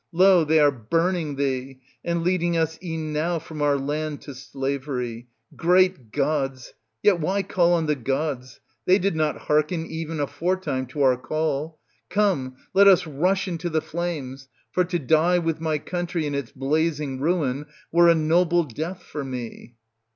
Lo ! they are burning thee, and leading us e'en now from our land to slavery. Great gods ! Yet why call on the gods ? They did not hearken e'en afore time to our call. Come, let us rush into the flames, for to die with my country in its blazing ruin were a noble death for me.